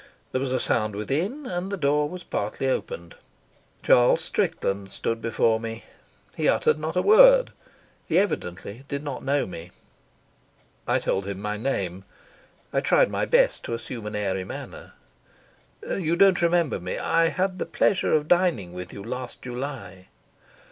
There was a sound within, and the door was partly opened. Charles Strickland stood before me. He uttered not a word. He evidently did not know me. I told him my name. I tried my best to assume an airy manner. "You don't remember me. I had the pleasure of dining with you last July."